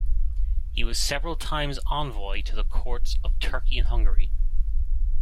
He was several times envoy to the courts of Turkey and Hungary.